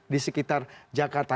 di sekitar jakarta